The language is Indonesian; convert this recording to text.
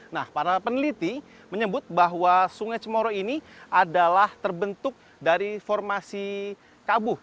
nah para peneliti menyebut bahwa sungai cemoro ini adalah terbentuk dari formasi kabuh